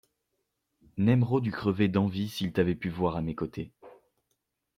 Nemrod eût crevé d'envie s'il t'avait pu voir à mes côtés.